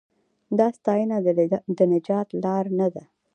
دا ستاینه د نجات لار نه ده.